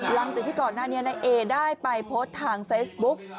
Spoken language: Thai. หลังจากที่ก่อนหน้านี้นายเอได้ไปโพสต์ทางเฟซบุ๊ก